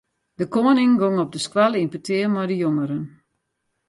De koaning gong op de skoalle yn petear mei de jongeren.